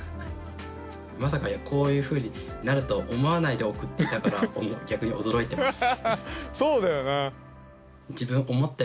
まさかこういうふうになると思わないで送っていたから逆に驚いてます。